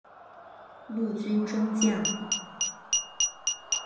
陆军中将。